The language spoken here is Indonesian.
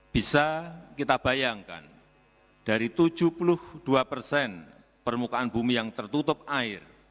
bisa kita bayangkan dari tujuh puluh dua persen permukaan bumi yang tertutup air